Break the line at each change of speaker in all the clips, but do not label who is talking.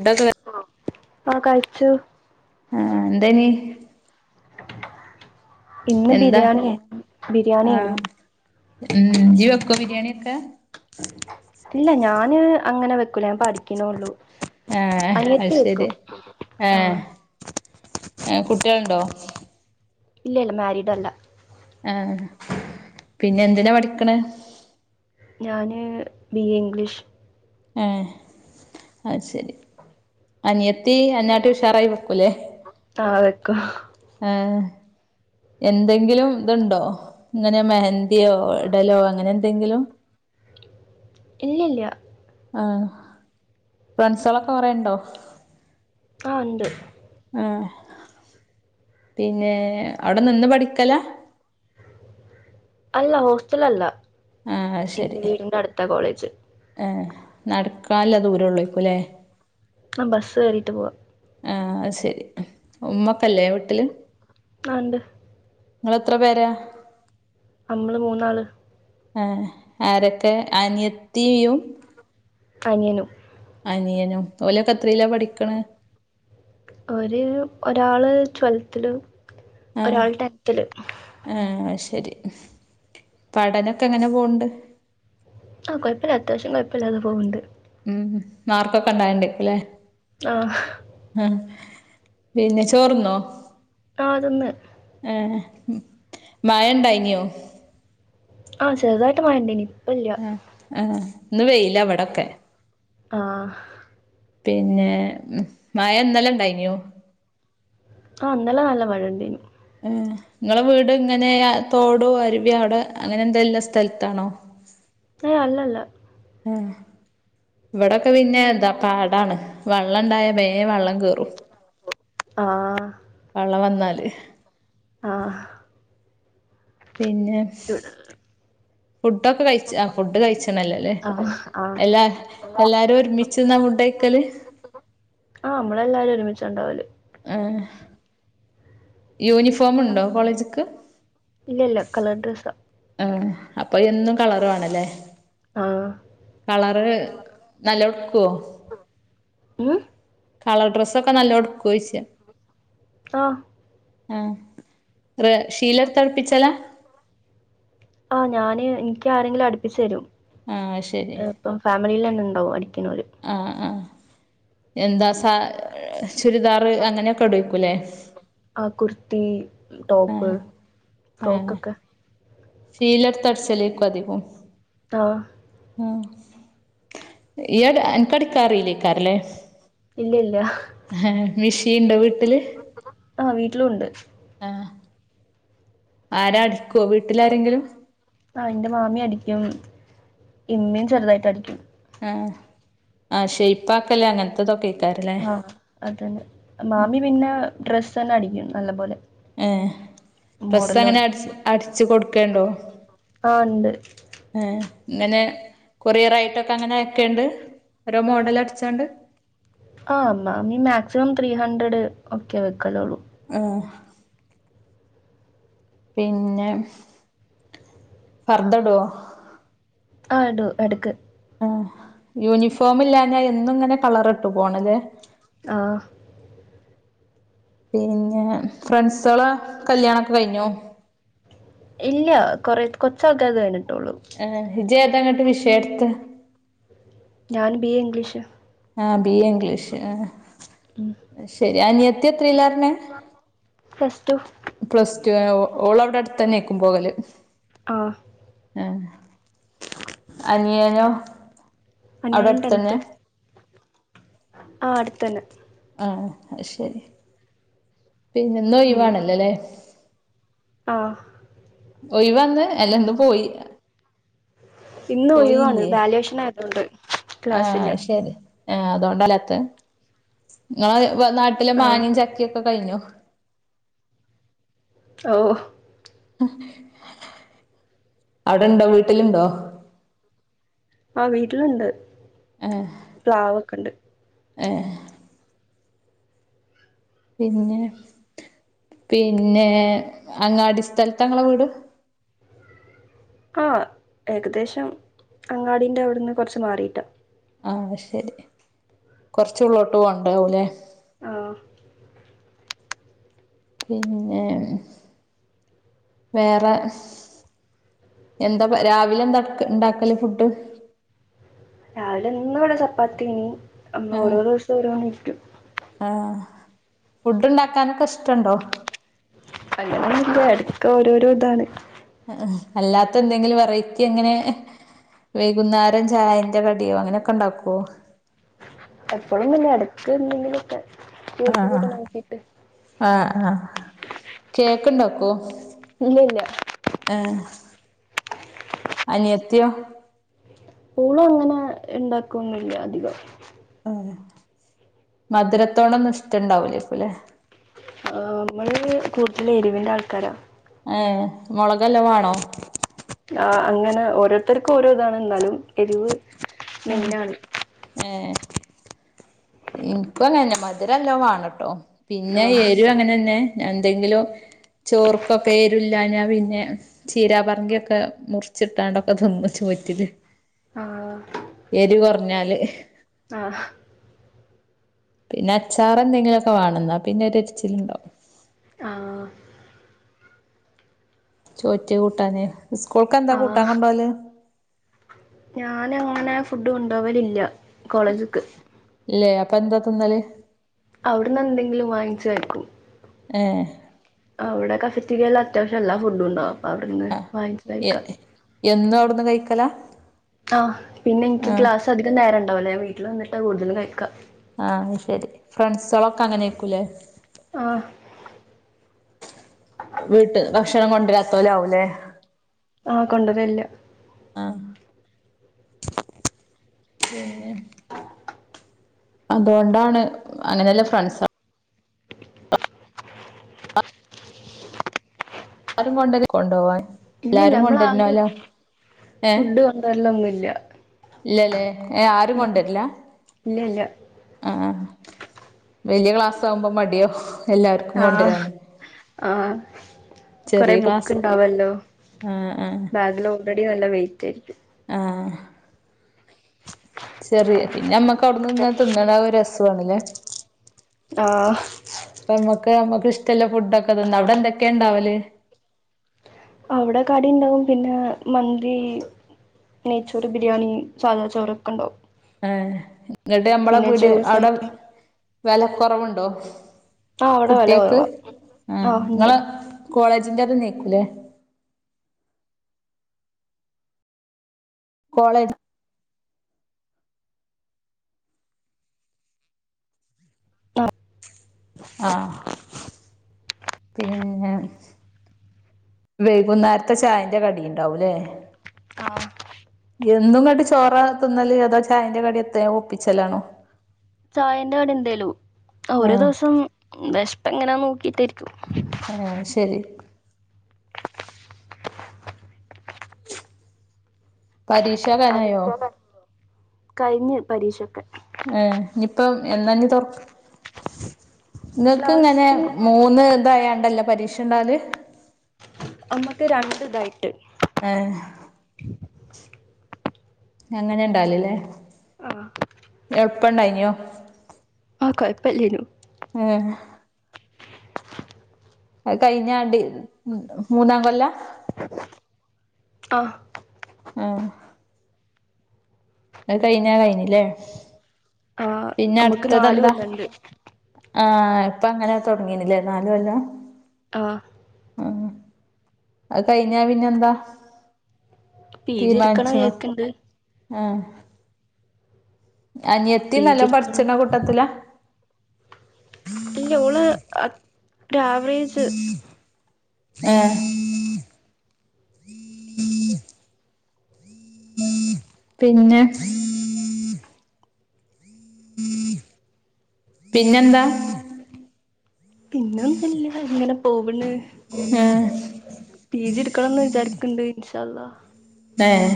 ന്താക്കാ
ആഹ് ആഹ് കയിച്ചു.
ആഹ് എന്തേനി
ഇന്ന്
എന്താ
ബിരിയാണിയാ ബിരിയാണി അയ്നു.
ആഹ് ഉം ജ്ജി വെക്കൊ ബിരിയാണിയൊക്കെ?
ഇല്ല ഞാന് അങ്ങനെ വെക്കൂലാ ഞാൻ പഠിക്ക്ണേള്ളു.
ആഹ് അത്
അനിയത്തി വെക്കും.
ശരി
ആഹ്
ഏഹ് കുട്ട്യൾണ്ടോ?
ഇല്ലല്ല മാരിഡ് അല്ലാ
ഏഹ് പിന്നെ എന്തിനാ പഠിക്ക്ണേ?
ഞാന് ബി എ ഇംഗ്ലീഷ്.
ഏഹ് അത് ശെരി. അനിയത്തി അന്നേ കാട്ടി ഉഷാറായി വെക്കുല്ലേ?
ആഹ് വെക്കും
ഏഹ് എന്തെങ്കിലും ത്ണ്ടോ ഇങ്ങനെ മെഹന്തിയോ ഇടലോ അങ്ങനെ ന്തെങ്കിലും?
ഇല്ല്യല്ല.
ആഹ് ഫ്രണ്ട്സളൊക്കെ കൊറേ ണ്ടോ?
ആഹ് ണ്ട്.
ആഹ്. പിന്നേ അവിടെ നിന്ന് പഠിക്കലാ?
അല്ല ഹോസ്റ്റലല്ല.
ആഹ്
എന്റെ
ശരി
വീടിന്റെ അടുത്താ കോളേജ്.
ഏഹ് നടക്കാൻള്ള ദൂരേ ഉള്ളൂ ആയിരിക്കും ല്ലേ.?
പ്പം ബസ് കേറീട്ട് പോവ.
ഏഹ് അത് ശരി ഉമ്മൊക്കെല്ലേ വീട്ടില്?
ആഹ് ണ്ട്
ങ്ങളെത്ര പേരാ?
അമ്മള് മൂന്നാള്.
ഏഹ് ആരൊക്കെ? അനിയത്തീയും.
അനിയനും.
അനിയനും ഓലൊക്കെ എത്രീലാ പഠിക്ക്ണ്
ഓര് ഒരാള് ട്വൽത്ത്ലും ഒരാള് ട്ടെൻതില്
ഏ ഏ അത് ശരി പഠനൊക്കെ എങ്ങനെ പോവുണ്ട്
ആ കൊയപ്പല്ല അത്യാവശ്യം കൊയപ്പല്ലാതെ പോകൂണ്ട്
ഉം ഉം മാർക്കൊക്കെ ണ്ടായ്ല്ണ്ടേര്ക്കും ലേ
ആഹ്
ആ പിന്നെ ചോറ്ന്നോ
ആ ത് ന്ന്
ഏ മയ ണ്ടായ്ന്യോ
ആ ചെറുതായിട്ട് മയണ്ടേയ്നി
ആ ആ ന്ന് വെയ്ലാ വടൊക്കെ
ആഹ്
പിന്നെ മഴ ന്നലെ ണ്ടായ്ന്യോ
ആ ന്നലെ നല്ല മഴണ്ടേയ്നു
ഏ ങ്ങളെ വീട് ഇങ്ങനെ ആ തോടു അരുവി അവ്ടെ അങ്ങനെ എന്തേലുള്ള സ്ഥൽത്താണോ [unintelligible]
ഏയ് അല്ലല്ല
ഏ ഇവടൊക്കെ പിന്നേ എന്താ പാടാണ് വള്ളംണ്ടായ ബേം വള്ളം കേറും
ആഹ്
വള്ളം വന്നാല്
ആഹ്
പിന്നെ
ഇവ്ടേ
ഫുഡ്ഡൊക്കെ കഴിച്ചാ ആ ഫുഡ് കഴിച്ച്ണല്ല ലേ
ആഹ് ആഹ്
എല്ലാര് എല്ലാരും ഒരുമിച്ച്ന്നാ ഫുഡയ്ക്കല്
ആ അമ്മളെല്ലാരും ഒരുമിച്ചാണ്ടാവല്
ഏഹ് യൂനിഫോം ഉണ്ടോ കോളേജ്ക്ക്
ഇല്ല ഇല്ല കളർ ഡ്രസ്
ആ അപ്പൊ എന്നും കളർ വേണല്ലേ
ആ
കളറ് നല്ലോം ട്ക്കോ
ഉം
കളർ ഡ്രെസ്സൊക്കെ നല്ലോം ട്കോയ്ച്ച
ആ
ആ റ ഷീലട്ത്തട്പ്പിച്ചലാ
ആ ഞാാന് ഇൻക്ക് ആരെങ്കിലും അട്പ്പിച്ച് തരും
ആ അത് ശരി
ഏ, ഇപ്പം ഫാമിലിയിലെന്നെ ണ്ടാവും അടിക്ക്ണോല്
ആ ആ എന്താ സാ ചുരിദാറ് അങ്ങനെയൊക്കെ ടോയ്ക്കു ലേ
അ കുർത്തി ടോപ്പ് ഫ്രോക്ക് ഒക്കെ
ഷീലട്ത്ത് അട്ച്ചലേക്കും അധികും
ആഹ്
ഉം യ് അട് അൻക്കടിക്കാ റീലേയ്ക്കാരം ലേ
ഇല്ല ഇല്ല
ഹേ മിഷീൻണ്ടോ വീട്ട്ല്
ആ വീട്ടിലും ഉണ്ട്
ആഹ് ആരാ അടിക്കോ വീട്ടിലാരെങ്കിലും
ആഹ് ഇന്റെ മാമി അടിയ്ക്കും ഇമ്മിം ചെറുതായിട്ട് അടിയ്ക്കും
ആഹ് ആഹ് ഷെയ്പ്പാക്കല് അങ്ങൻത്തതൊക്കെ
ആഹ് അതെന്നെ മാമി പിന്നേ ഡ്രസ്സെന്നെ അടിയ്ക്കും നല്ല പോലെ
ഏഹ് ഡ്രസ്സെങ്ങനെ
മോഡലോർത്ത്
അട്ച്ച് അട്ച്ച് കൊടുക്കല്ണ്ടോ
ആഹ് ഉണ്ട്
ഏഹ് ഇങ്ങനേ കൊറിയറായിട്ടൊക്ക അങ്ങനെ അയക്കല്ണ്ട് ഓരോ മോഡല് അടിച്ചാണ്ട്
ആഹ് മാമി മാക്സിമം ത്രീ ഹൺഡ്രഡ് ഒക്കെ വെക്കലൊള്ളു
ആഹ് പിന്നെ പർദ്ധടോ
ആഹ് ഇടു എടക്ക്
ആഹ് യൂണിഫോമില്ലാഞ്ഞ എന്നു ഇങ്ങനെ കളറ്ട്ട് പോണലേ
ആഹ്
പിന്നെ ഫ്രൺസേളാ കല്യാണൊക്ക കയ്ഞ്ഞോ
ഇല്ല്യ കൊറെ കൊർച് ആൾക്കാരത കഴിഞ്ഞിട്ടൊള്ളു
ഏഹ് ഇജ് ഏതാ ഇങ്ങ്ട്ട് വിഷയ ഇട്ത്ത്
ഞാന് ബീ ഏ ഇംഗ്ലീഷ്
ആഹ് ബീ ഏ ഇംഗ്ലീഷ് അഹ്
ഉം
അയ് ശരി അനിയത്തി എത്രീലാ പർഞ്ഞെ
പ്ലസ്ടു
പ്ലസ് ടു ഏഹ് ഓള് അവ്ടെ അടുത്തെന്നേക്കും പോകല്
ആഹ്
ഏഹ് അനിയനൊ
അനിയൻ ട്ടൻത്ത് ആഹ് അട്ത്തന്നെ
ആഹ് അയ് ശരി പിന്നെ ഇന്നു
ഉം
ഒഴിവാണലലേ
ആഹ്
ഒഴിവാന്ന് അല്ലന്ന് പോയി
ഇന്ന് ഒഴിവാണ്
പോയീല്ലേ
വാല്യുവേഷൻ ആയതുകൊണ്ട്
ആഹ്
ക്ലാസ്സില്ല
അയ് ശരി ഏഹ് അതോണ്ട ഇല്ലാത്ത് ഇങ്ങളെ നാട്ടില്
ആഹ്
മാങ്ങിം ചക്കി ഒക്ക കയ്ഞ്ഞൊ
അവൂ
അവ്ടണ്ടൊ വീട്ടിലുണ്ടോ
ആഹ് വീട്ട്ല്ണ്ട് പ്ലാവൊക്കണ്ട്
ഏഹ് പിന്നെ പിന്നേ അങ്ങാടി സ്ഥല്ത്ത ഇങ്ങള വീട്
ആഹ് ഏകദേശം അങ്ങാടീൻ്റെ അവ്ട്ന്ന് കൊറ്ച്ച് മാറീട്ടാ
ആഹ് അയ്ശരി കൊറ്ച്ചുള്ളോട്ട് പോവാണ്ടാവുലേ
ആഹ്
പിന്നേ വേറ എന്ത രാവിലെ എന്ത ഇണ്ടാക്കല് ഫുഡ്ഡ്
രാവിലെ ഇന്ന്വ്ടെ ചപ്പാത്തി ഓരോ
ആഹ്
ദിവസം ഓരോന്നി‌ര്ക്കും
ആഹ് ഫുഡ്ഡ് ഇണ്ടാക്കാനൊക്ക ഇഷ്ട്ടണ്ടൊ-
നല്ലോണം ഒന്ന് ഇല്ല എടക്ക് ഓരോരൊ ഇതാണ്
അല്ലാത്ത എന്തെങ്കിലും വെറൈറ്റി അങ്ങനേ വൈകുന്നേരം ചായന്റ കടിയോ അങ്ങനെക്ക ഇണ്ടാക്കോ
എപ്പളും ഒന്നും ഇല്ല എടക്ക് എന്തെങ്കിലൊക്കെ
ആഹ്
യൂട്യൂബൊക്കെ നോക്കിട്ട്
ആഹ് ആഹ് കേക്ക്ണ്ടോ ഇപ്പൊ
ഇല്ല ഇല്ല
ഏഹ് അനിയത്തിയോ
ഓളും അങ്ങനെ ഇണ്ടാക്കുന്നില്ല അധികം
ഉം മധുരത്തോടെ ഒന്നും ഇഷ്ടുണ്ടാവൂലേ കൂലെ
ആഹ് നിങ്ങ ള്കൂടുതൽ എരിവിന്റെ ആൾക്കാരാ
ആഹ് മുളക്‌ നല്ലോ വണോ
ആഹ് അങ്ങനെ ഓരോരുത്തർക്കും ഓരോ ഇതാണ് എന്നാലും എരിവ്
ആഹ്
മെയിനാണ്
ഏഹ് ഇന്ക്കുംഅങ്ങനെ തന്നെ മധുരം നല്ലോ വാണട്ടോ പിന്നെ
ആഹ്
ഏരു അങ്ങനെ തന്നെ എന്തെങ്കിലും ചോർക്കൊക്കെ എരുല്ലഞാപിന്നെ ചീരാ പർങ്കിയൊക്കെ മുറിച്ചിട്ടാണ്ട്ഒക്കെ തിന്നും ചോറ്റില്
ആഹ്
എരി കുറഞ്ഞാല്
ആഹ്
പിന്നെ അച്ചാർ എന്തെങ്കിലുക്കെ വാണംന്നാ പിന്നെ ഒരിച്ചിലുണ്ടോവു
ആഹ്
ചോറ്റി കൂട്ടാന് സ്കൂൾക്ക് എന്താ കൂട്ടാൻ കൊണ്ടോവല്
ഞാന് അങ്ങനെ ഫുഡ് കൊണ്ടോവലില്ല കോളേജ്ക്ക്
ഇല്ലേ അപ്പൊ എന്താ തിന്നല്
അവിടുന്ന് എന്തെങ്കിലും വാങ്ങിച്ച് കഴിക്കും
ഏഹ്
അവിടെ കഫറ്റിൽ എല്ലാ അത്യാവശ്യ എല്ലാ ഫുഡ് ഉണ്ടാവും അവിടുന്ന്
ആഹ്
വാങ്ങിച്ച്
എ
കഴിക്കാം
എന്നു അവിടുന്ന് കഴിക്കല
ആഹ് പിന്നെ എനിക്ക് ക്ലാസ് അധികം നേരം ഉണ്ടാവില്ലഞാൻ വീട്ടിൽ വന്നിട്ടാ കൂടുതലും കഴിക്കാ
ആഹ് ശെരി ഫ്രണ്ട്സോളൊക്കെ അങ്ങനെ ആയിരിക്കുല്ലേ
ആഹ്
വീട്ട് ന്ന്ഭക്ഷണം കൊണ്ട് വരാത്തോ ആവുംലേ
ആഹ് കൊണ്ടര്ല്ല
ആഹ് പിന്നെ അതുകൊണ്ടാണ് അങ്ങനെ ഇല്ല ഫ്രണ്ട്സ് അത് കൊണ്ടരേ കൊണ്ടുപോവാൻ
ഇല്ലില്ല
എല്ലാരും കൊണ്ടുരണോല്ല ഏ
കൊണ്ട് വര്ല് ഒന്നും ഇല്ല
ഇല്ലല്ലേ ഏ ഹ് ആരും കൊണ്ടര്ല്ല
ഇല്ല ഇല്ല
ആഹ് വലിയ ക്ലാസ്സ്ആകുമ്പോ മടിയോ എല്ലാവർക്കും
ആഹ്
കൊണ്ടരാന്
ആഹ് കൊറെ
ക്ലാസ്
ബുക്ക് ഉണ്ടാവല്ലോ
ആഹ് ആഹ്
ബാഗിലോ ഓൾറെഡി നല്ല വെയ്റ്റ് ആയിരിക്കും
ആഹ് ചെറിയ പിന്നെ നമ്മക്ക് അവിടുന്ന് ഇങ്ങനെ തിന്ന്‌ണ രസാണ്ല്ലേ
ആഹ്
ഇപ്പോനമ്മക്ക് നമ്മുക്ക് ഇഷ്ടഉള്ളഫുഡ് ഒക്കെ തിന്നാഅവിടെ എന്തൊക്കെ ഉണ്ടാവല്
അവിടെ കടി ഇണ്ടാവും പിന്നെ മന്തി നെയ്ച്ചോറ് ബിരിയാണി സാദാ ചോറൊക്കെ ഇണ്ടാവും
ആഹ് ഇന്നെട്ട് ഞമ്മളെ പീട്യ
ജ്യൂസ്
ഔടെ
ഐറ്റം
വെല കൊർവ്ണ്ടോ
ആ അവിടെ വില
കുട്ട്യേൾക്ക്
കുറവാ ആ
ആഹ്
ഉണ്ട്
ഇങ്ങളെ കോളേജിന്റെ അത്ന്നെക്കുലെ? കോളേജ്
അഹ്
ആഹ് പിന്നെ വെയ്കുന്നേര്ത്തെ ചായെന്റെ കടി ഇണ്ടാവുംലേ?
ആഹ്
എന്നും ഇങ്ങട്ട് ചോറതിന്നല് അതോ ചായെന്റെ കടി എത്തെഒപ്പിച്ചലാണോ?
ചായന്റെ കടി എന്തേലും ഒരു
ആഹ്
ദിവസംവെഷ്പ്പ് എങ്ങനാ നോക്കിട്ടായിരിക്കും.
ഏഹ് ശെരി. പരീക്ഷആകാനായോ?
കഴ്‌ഞ്പരീക്ഷഒക്കെ.
ഏഹ് ഇഞ്ഞിപ്പം എന്നാഞ്ഞി തൊട് ഇങ്ങൾക്ക്
ക്ലാസ്
ഇങ്ങനെ മൂന്ന്ഇതായാണ്ടല്ലെ പരീക്ഷ ഇണ്ടാല്?
അമ്മക്ക് രണ്ട് ഇതായിട്ട്.
ഏഹ് ഹെ അങ്ങനെ ഇണ്ടാവല്ലെ
ആ
എളുപ്പണ്ടായിനോ?
അഹ് കൊഴപ്പല്ലയ്നു.
ഏഹ് അഹ് കഴിഞ്ഞാണ്ടി മൂന്നാം കൊല്ലാ?
അഹ്
ആഹ് അഹ് കഴ്‌ഞ്ഞാ കഴ്‌ഞ്ലെ
ആ
പിന്നെ
നമ്മുക്ക്
അടുത്തത്
നാല്
എന്താ?
കൊല്ലണ്ട്
ആഹ് ഇപ്പ അങ്ങനെ തുടങ്ങിണ്ലെ ന്നാല് കൊല്ലം.
അഹ്
അഹ് കഴിഞ്ഞാ പിന്നെഎന്താ
പി ജി എടുക്കണം
തീരുമാനിച്ച്ണോ
വിചാരിക്കണ്ട്
ആഹ്. അനിയത്തിം
പി ജി
നല്ലോണം
എടുക്കണം
പഠിച്ച്ണ കൂട്ടത്തില?
ഇല്ലെ ഓള് അ ഒരാആവറേജ്.
ഏഹ് പിന്നെ പിന്നെന്താ?
പിന്നെന്നുല്ല ഇങ്ങനെ പോവ്ണ്.
ഏഹ്
പി ജി ഇട്ക്കണംന്ന് വിചാരിക്ക്ണ്ട് ഇൻഷാഅല്ലഹ്.
ഏഹ്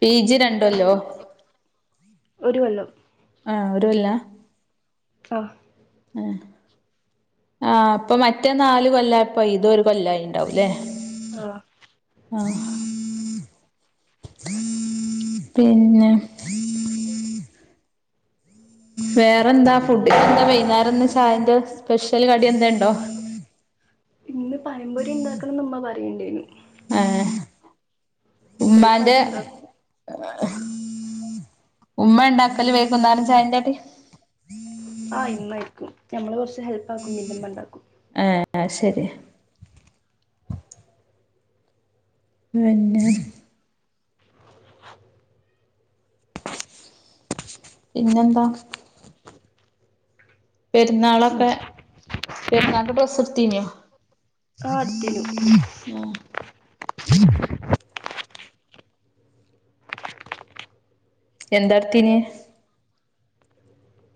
പി ജി രണ്ട് കൊല്ലോ?
ഒര് കൊല്ലം.
ആഹ് ഒര് കൊല്ല?
അഹ്
എഹ് ആ അപ്പൊ മറ്റേ ന്നാല് കൊല്ലായപ്പൊ ഇത് ഒരു കൊല്ലായിഇണ്ടാവുംലേ?
ആഹ്
ആഹ് പിന്നെ വേറെന്താ ഫുഡിനെഎന്താ വെയ്ന്നേരം ഇന്ന് ചായെന്റെ സ്പെഷ്യൽ കടി എന്തേണ്ടോ?
ഇന്ന് പഴംപൊരി ഇണ്ടാക്കണം ഇമ്മ പറയ് ഇണ്ടെയ്നു.
ഏഹ്
ചെലപ്പോ
ഉമ്മാന്റെ
അത് ഇണ്ടാക്കും
ഏഹ്, ഉമ്മേ ഉണ്ടാക്കല് വെയ്കുന്നേരം ചായെന്റെ കടി?
ആഹ് ഇമ്മയിരിക്കും ഞമ്മള് കൊർച്ച് ഹെൽപ്പ് ആക്കും പിന്നെ ഇമ്മ ഇണ്ടാക്കും.
ഏഹ് അഹ് ശെരി. പിന്നെ
[unintelligible]
പിന്നെന്താ
[unintelligible] പി
പെരുന്നാളൊക്കെ പെരുന്നാൾക്ക് ഡ്രസ്സ് എടുത്തീനോ
ആഹ് അടുത്തേനു
[unintelligible] എന്താട്ത്തിന്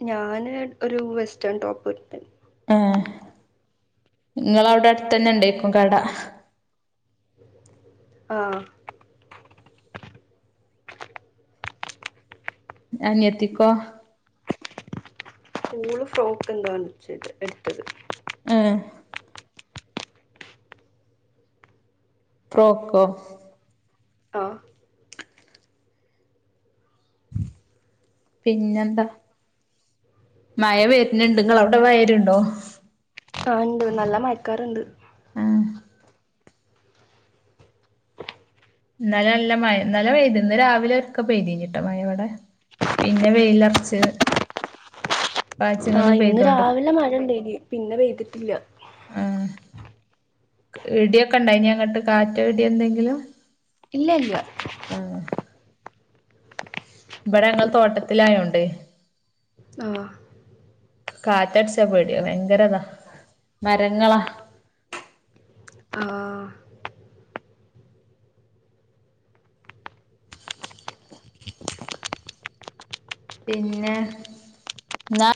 ഞാന് ഒരു വെസ്റ്റേൺ ടോപ്പ്
ഏ നിങ്ങളെ അവിടെ അടുത്തതന്നെ ഉണ്ടേക്കും കട
ആ
അനിയത്തിക്കോ
ഓള് ഫ്രോക്ക് എന്താണ് എടുത്തത്
ഏ ഫ്രോക്കോ
ആ
പിന്നെന്താ മഴ വരുന്ന്ണ്ട്നിങ്ങളെ അവിടെ മഴവരുണ്ടോ
ആ ഉണ്ട് നല്ല മഴക്കാറുണ്ട്
ആഹ് ഇന്നലെ നല്ല മഴ ഇന്നലെ പെയ്തു ഇന്ന് രാവിലെ ഒക്കെ പെയ്തീ നിട്ട മഴ ഇവിടെ പിന്നെ വെയിലർച്ച്
ആ ഇന്ന് രാവിലെ മഴ ഉണ്ടായി പിന്നെ പെയ്തിട്ടില്ല
ആഹ് ഇടിയൊക്കെ ഉണ്ടായിനിയോ അങ്ങോട്ട് കാറ്റോ ഇടി എന്തെങ്കിലും
ഇല്ല ഇല്ല
ആ ഇവിടെ ഞങ്ങൾ തോട്ടത്തിലായോണ്ട്
ആ
കാറ്റടിച്ച പേടിയാ ഭയങ്കരതാ മരങ്ങളാ
ആ
പിന്നെ എന്നാ